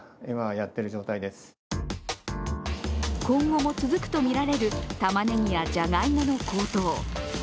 今後も続くとみられるたまねぎやじゃがいもの高騰。